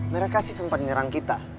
mereka sih sempat nyerang kita